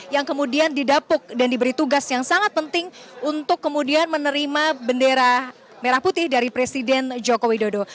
yang kemudian didapuk dan diberi tugas yang sangat penting untuk kemudian menerima bendera merah putih dari presiden joko widodo